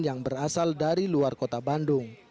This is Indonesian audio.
yang berasal dari luar kota bandung